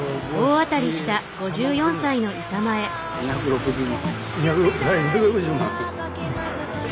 ２６０万！？